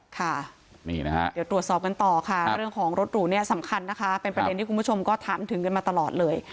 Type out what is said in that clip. ค่ะนี่นะฮะเดี๋ยวตรวจสอบกันต่อค่ะเรื่องของรถหรูเนี่ยสำคัญนะคะเป็นประเด็นที่คุณผู้ชมก็ถามถึงกันมาตลอดเลย